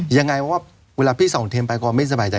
ยังไงว่าเวลาพี่สองทิ้งไปก่อนไม่สบายใจ